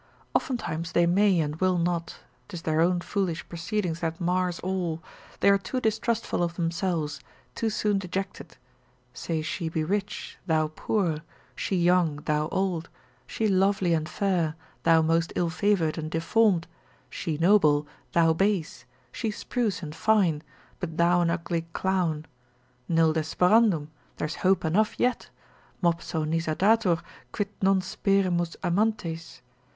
Oftentimes they may and will not, 'tis their own foolish proceedings that mars all, they are too distrustful of themselves, too soon dejected: say she be rich, thou poor: she young, thou old; she lovely and fair, thou most ill favoured and deformed; she noble, thou base: she spruce and fine, but thou an ugly clown: nil desperandum, there's hope enough yet: Mopso Nisa datur, quid non speremus amantes?